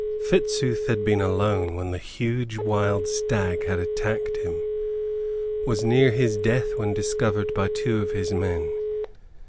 Fitzooth had been alone when the huge wild stag had attacked him; was near his death when discovered by two of his men.